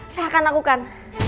saya akan lakukan